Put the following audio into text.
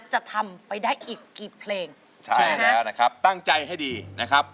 จะทำไปได้อีกกี่เพลงใช่แล้วนะครับตั้งใจให้ดีนะครับ